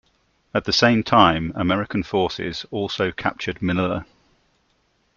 At the same time, American forces also captured Manila.